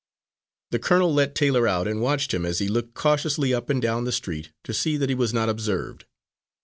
The colonel let Taylor out, and watched him as he looked cautiously up and down the street to see that he was not observed.